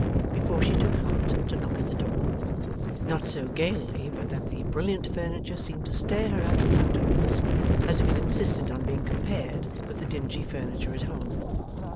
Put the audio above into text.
before she took heart to knock at the door. Not so gaily, but that the brilliant furniture seemed to stare her out of countenance as if it insisted on being compared with the dingy furniture at home.